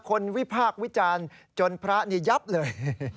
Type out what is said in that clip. คนวิภาควิจารณ์จนพระนี่ยับเลย